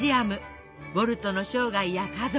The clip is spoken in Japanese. ウォルトの生涯や家族